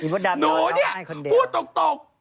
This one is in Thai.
หนูเนี่ยพูดตก